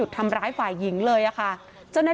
กู้ภัยก็เลยมาช่วยแต่ฝ่ายชายก็เลยมาช่วย